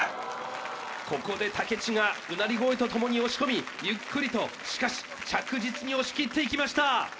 ここで武知がうなり声とともに押し込みゆっくりとしかし着実に押し切っていきました